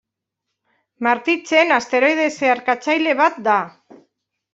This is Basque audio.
Martitzen asteroide zeharkatzaile bat da.